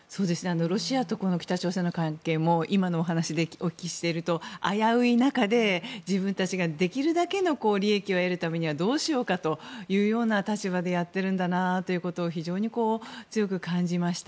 ロシアと北朝鮮の関係も今のお話をお聞きしていると危うい中で、自分たちができるだけの利益を得るためにはどうしようかというような立場でやっているということを非常に強く感じました。